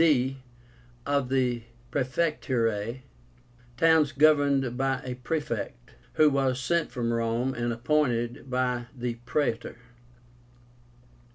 d. Of the PRAEFECTÚRAE (towns governed by a praefect, who was sent from Rome and appointed by the Praetor).